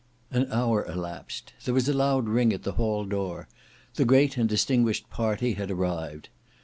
An hour elapsed; there was a loud ring at the hall door, the great and distinguished party had arrived.